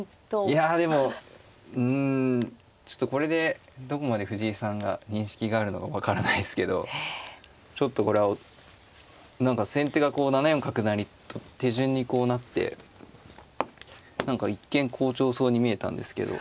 いやでもうんちょっとこれでどこまで藤井さんが認識があるのか分からないですけどちょっとこれは何か先手がこう７四角成と手順に成って何か一見好調そうに見えたんですけど。